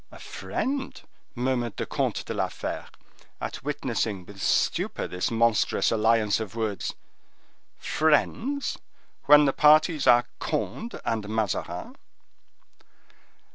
"A friend!" murmured the Comte de la Fere, at witnessing with stupor this monstrous alliance of words;—"friends! when the parties are Conde and Mazarin!"